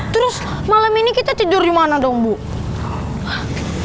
terus malam ini kita tidur dimana dong buuuh